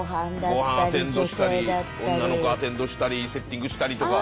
御飯アテンドしたり女の子アテンドしたりセッティングしたりとか。